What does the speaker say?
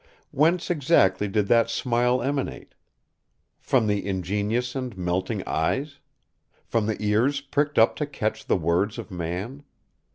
Whence exactly did that smile emanate? From the ingenuous and melting eyes? From the ears pricked up to catch the words of man?